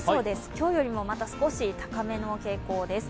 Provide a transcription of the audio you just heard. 今日よりもまた少し高めの傾向です。